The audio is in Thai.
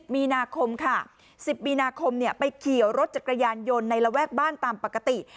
มีนาคมค่ะ๑๐มีนาคมไปขี่รถจักรยานยนต์ในระแวกบ้านตามปกติ